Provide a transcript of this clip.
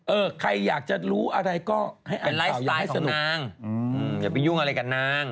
เออใครอยากจะรู้อะไรก็ให้อ่านข่าวอย่างให้สนุกเป็นไลฟ์สไตล์ของนางอย่าไปยุ่งอะไรกับนาง